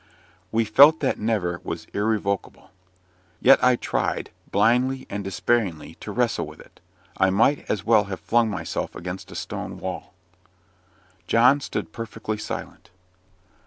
We felt that "never" was irrevocable. Yet I tried, blindly and despairingly, to wrestle with it; I might as well have flung myself against a stone wall. John stood perfectly silent.